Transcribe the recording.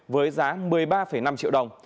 với giá một mươi ba năm triệu đồng